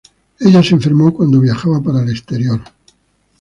Ella se enfermó cuando viajaba para el exterior.